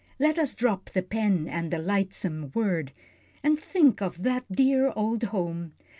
Let us drop the pen, and the lightsome word, And think of that dear old Home.